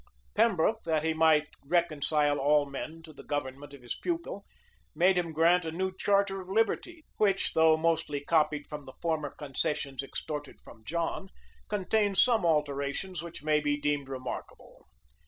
Paris, p. 200. Pembroke, that he might reconcile all men to the government of his pupil, made him grant a new charter of liberties, which, though mostly copied from the former concessions extorted from John, contains some alterations which may be deemed remarkable.